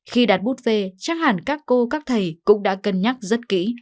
khi đặt bút phê chắc hẳn các cô các thầy cũng đã cân nhắc rất kỹ